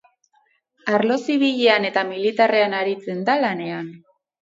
Arlo zibilean eta militarrean aritzen da lanean.